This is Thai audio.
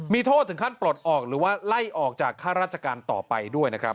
มีโทษถึงขั้นปลดออกหรือว่าไล่ออกจากค่าราชการต่อไปด้วยนะครับ